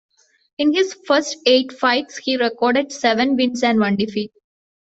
In his first eight fights he recorded seven wins and one defeat.